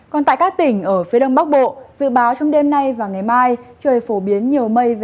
còn tại các tỉnh ở phía đông bắc bộ dự báo trong đêm nay và ngày mai trời phổ biến nhiều mây